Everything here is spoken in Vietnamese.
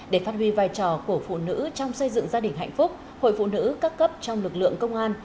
để phát huy vai trò của phụ nữ trong xây dựng gia đình hạnh phúc hội phụ nữ các cấp trong lực lượng công an